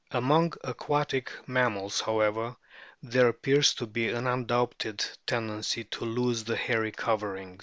Among aquatic mammals, however, there appearsJLo be an undoubted tendency to lose the hairy covering.